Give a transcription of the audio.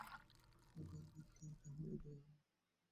ভালো, কিন্তু এটা হয় না।